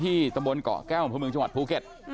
ที่ตำบลเกาะแก้วพรุ่งเมืองจังหวัดภูเก็ต